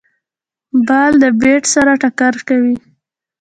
بال د بېټ سره ټکر کوي.